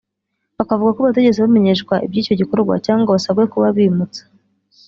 Bakavuga ko batigeze bamenyeshwa iby’icyo gikorwa cyangwa ngo basabwe kuba bimutse